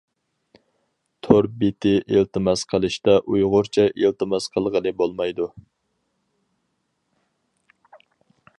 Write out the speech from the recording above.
تور بېتى ئىلتىماس قىلىشتا ئۇيغۇرچە ئىلتىماس قىلغىلى بولمايدۇ!